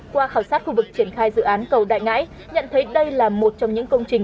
qua khảo sát khu vực triển khai dự án cầu đại ngãi nhận thấy đây là một trong những công trình